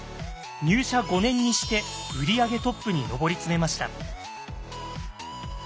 入社５年にして売り上げトップに上り詰めました。